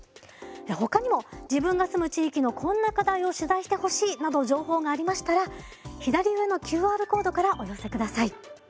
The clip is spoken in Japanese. ほかにも自分が住む地域のこんな課題を取材してほしいなど情報がありましたら左上のＱＲコードからお寄せください。